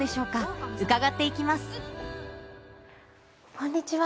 こんにちは。